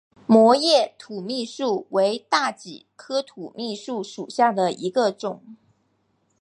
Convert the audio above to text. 膜叶土蜜树为大戟科土蜜树属下的一个种。